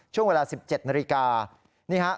ช่วงเวลา๑๗นาฬิกา